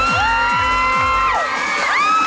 สาปแล้วสาปแล้ว